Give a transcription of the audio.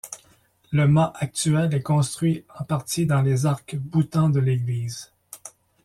Le mas actuel est construit en partie dans les arcs boutants de l'église.